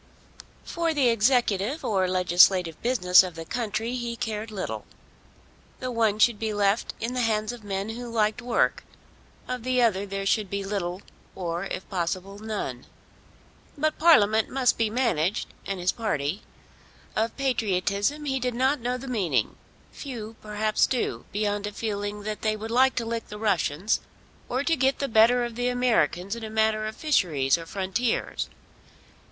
For the executive or legislative business of the country he cared little. The one should be left in the hands of men who liked work; of the other there should be little, or, if possible, none. But Parliament must be managed, and his party. Of patriotism he did not know the meaning; few, perhaps, do, beyond a feeling that they would like to lick the Russians, or to get the better of the Americans in a matter of fisheries or frontiers.